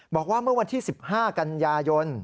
บอกว่าเมื่อวันที่๑๕กันยายน